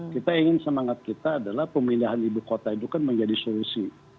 kita ingin semangat kita adalah pemindahan ibu kota itu kan menjadi solusi